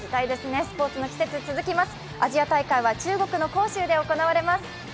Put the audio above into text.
スポーツの季節、続きます。